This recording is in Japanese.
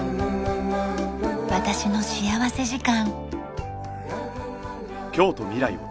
『私の幸福時間』。